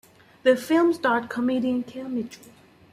The film starred comedian Kel Mitchell.